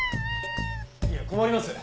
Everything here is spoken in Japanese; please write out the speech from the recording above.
いや困ります！